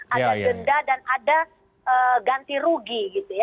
ada denda dan ada ganti rugi